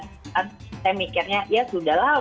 saya mikirnya ya sudah lah